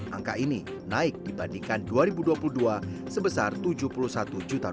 angka ini naik dibandingkan dua ribu dua puluh dua sebesar rp tujuh puluh satu juta